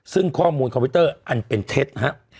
ซึ่งข้อมูลคอมพิวเตอร์อันเป็นเท็จครับ